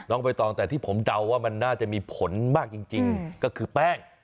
ใบตองแต่ที่ผมเดาว่ามันน่าจะมีผลมากจริงก็คือแป้ง